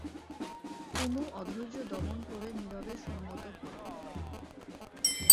কুমু অধৈর্য দমন করে নীরবে সম্মত হল।